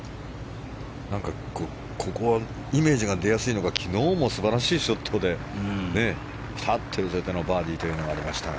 ここはイメージが出やすいのか昨日も素晴らしいショットでピタッと寄せてのバーディーというのがありました。